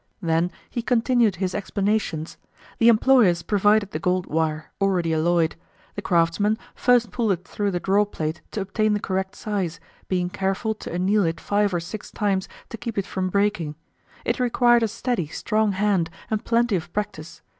Then he continued his explanations: the employers provided the gold wire, already alloyed; the craftsmen first pulled it through the draw plate to obtain the correct size, being careful to anneal it five or six times to keep it from breaking. It required a steady, strong hand, and plenty of practice.